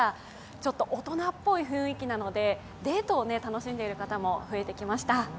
ちょっと大人っぽい雰囲気なのでデートを楽しんでいる方も増えてきました。